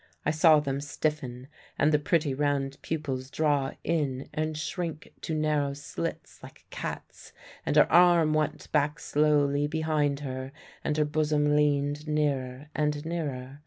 I saw them stiffen, and the pretty round pupils draw in and shrink to narrow slits like a cat's, and her arm went back slowly behind her, and her bosom leaned nearer and nearer.